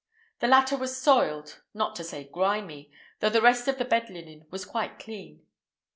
The latter was soiled—not to say grimy—though the rest of the bed linen was quite clean.